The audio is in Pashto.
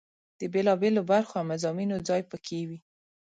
د بېلا بېلو برخو او مضامینو ځای په کې وي.